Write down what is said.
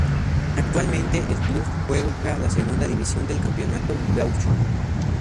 Actualmente, el club juega la segunda división del Campeonato Gaúcho.